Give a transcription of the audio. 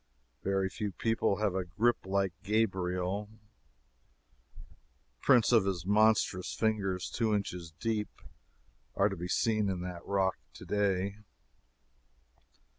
Very few people have a grip like Gabriel the prints of his monstrous fingers, two inches deep, are to be seen in that rock to day.